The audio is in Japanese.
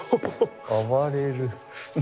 暴れる。